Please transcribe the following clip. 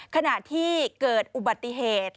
ขณะที่เกิดอุบัติเหตุ